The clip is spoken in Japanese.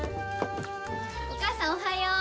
お母さんおはよう。